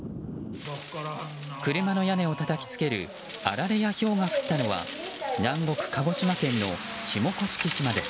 車の屋根をたたきつけるあられや、ひょうが降ったのは南国・鹿児島県の下甑島です。